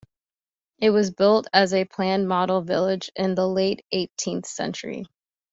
It was built as a planned model village in the late eighteenth century.